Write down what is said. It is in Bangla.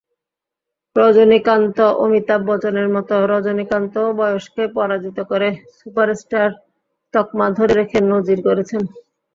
রজনীকান্তঅমিতাভ বচ্চনের মতো রজনীকান্তও বয়সকে পরাজিত করে সুপারস্টার তকমা ধরে রেখে নজির গড়েছেন।